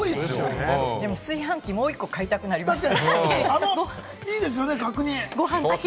炊飯器、もう１個買いたくなりました。